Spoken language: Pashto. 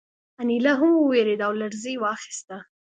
انیلا هم وورېده او لړزې واخیسته